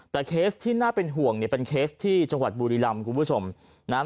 แต่เคสที่น่าเป็นห่วงเนี่ยเป็นเคสที่จังหวัดบุรีรำคุณผู้ชมนะฮะ